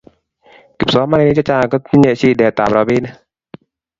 kipsomaninik chechang kotinyei shidet ap ropinik